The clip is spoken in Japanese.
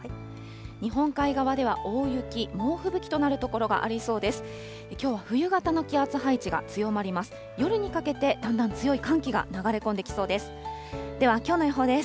日本海側では大雪、猛吹雪となる所がありそうです。